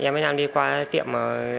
em với nam đi qua tiệm